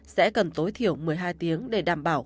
sẽ cần tối thiểu một mươi hai tiếng để đảm bảo